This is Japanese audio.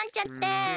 あ。